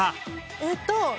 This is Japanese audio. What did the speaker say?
えっと。